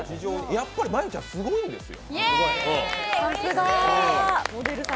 やっぱり真悠ちゃんすごいんですよ。